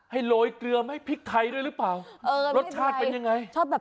ให้โรยเกลือเนี้ยพริกใท้ด้วยหรือเปล่า